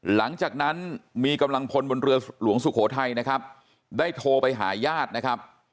หลังจากนั้นมีกำลังพลบนเรือหลวงสุโขทัยนะครับได้โทรไปหาญาตินะครับ